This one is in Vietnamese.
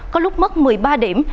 có lúc mất một mươi ba điểm